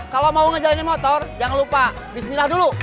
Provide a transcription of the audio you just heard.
kalau mau ngejalanin motor jangan lupa bismillah dulu